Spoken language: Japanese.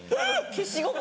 消しゴム。